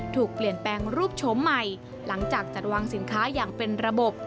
ถูกเปลี่ยนแปลงรูปโฉมใหม่หลังจากจัดวางสินค้าอย่างเป็นระบบ